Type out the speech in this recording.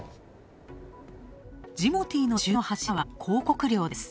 ジモティーの収益の柱は、広告料です。